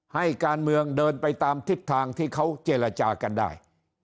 ให้การเมืองเดินไปตามทิศทางที่เขาเจรจากันได้